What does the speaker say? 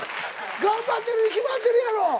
頑張ってるに決まってるやろ！